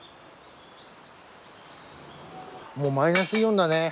もうマイナスイオンだね。